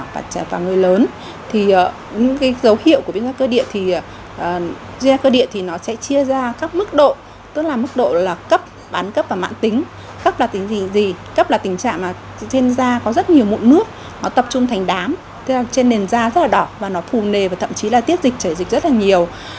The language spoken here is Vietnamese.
bệnh viện gia liễu trung ương cho biết viêm da có rất nhiều mụn nước tập trung thành đám trên nền da rất đỏ phù nề tiết dịch chảy dịch rất nhiều